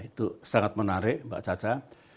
itu sangat menarik mbak caca